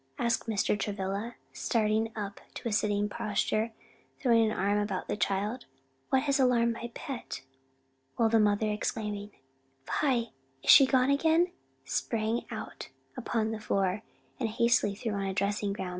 asked Mr. Travilla, starting up to a sitting posture, and throwing an arm about the child, "what has alarmed my pet?" while the mother, exclaiming "Vi! is she gone again?" sprang out upon the floor, and hastily threw on a dressing gown.